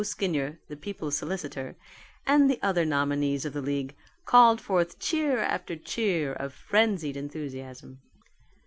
Skinyer, the People's Solicitor_, and the other nominees of the league, called forth cheer after cheer of frenzied enthusiasm.